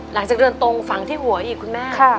หลังจากเดินตรงฝังที่หัวอีกคุณแม่